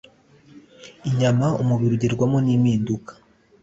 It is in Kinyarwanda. inyama umubiri ugerwamo nimpinduka